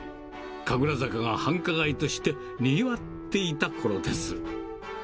神楽坂が繁華街としてにぎわっていたころです。